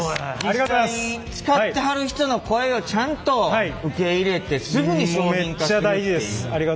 実際使ってはる人の声をちゃんと受け入れてすぐに商品化するっていう。